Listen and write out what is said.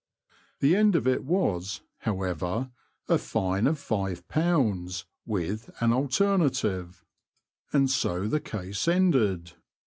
The end of it was, however, a fine of £S) with an alternative. And so the case ended.